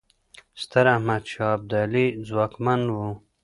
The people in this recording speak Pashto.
ستراحمدشاه ابدالي ځواکمن و.